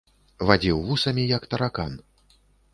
Вадзіў вусамі, як таракан.